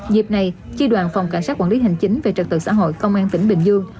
dịp này chi đoàn phòng cảnh sát quản lý hành chính về trật tự xã hội công an tỉnh bình dương